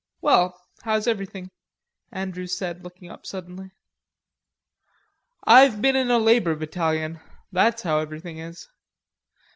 "Well, how's everything?" Andrews asked looking up suddenly. "I've been in a labor battalion. That's how everything is."